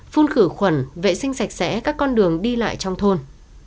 phun khử khuẩn vệ sinh sạch sẽ các con đường đi lại trong thôn